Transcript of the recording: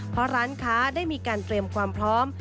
เพราะร้านค้าได้มีการเตรียมความพร้อม